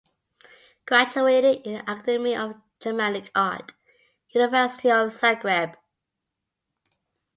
Graduated in Academy of Dramatic Art, University of Zagreb.